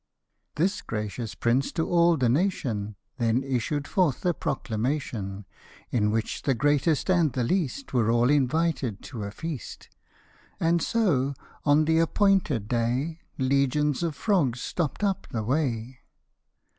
This gracious prince to all the nation Then issued forth a proclamation; In which the greatest and the least Were all invited to a feast ; And so, on the appointed day, Legions of frogs stopped up the way.